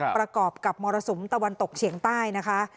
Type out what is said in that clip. ประกอบกับมรสุมตะวันตกเฉียงใต้นะคะ